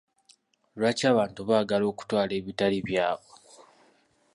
Lwaki abantu baagala okutwala ebitali byabwe?